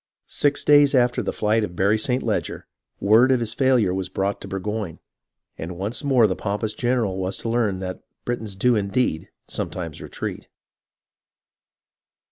Six days after the flight of Barry St. Leger, word of his failure was brought Burgoyne ; and once more the pompous general was to learn that Britons do indeed sometimes retreat.